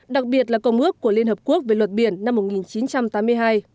đặc biệt là công ước của liên hợp quốc về luật biển năm một nghìn chín trăm tám mươi hai